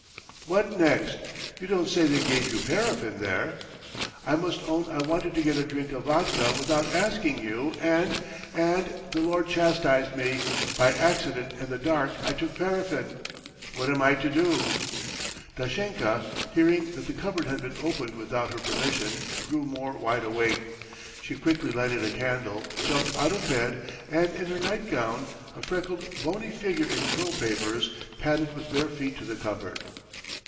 "What next! You don't say they gave you paraffin there?" "I must own I wanted to get a drink of vodka without asking you, and ... and the Lord chastised me: by accident in the dark I took paraffin. ... What am I to do?" Dashenka, hearing that the cupboard had been opened without her permission, grew more wide awake. ... She quickly lighted a candle, jumped out of bed, and in her nightgown, a freckled, bony figure in curl papers, padded with bare feet to the cupboard.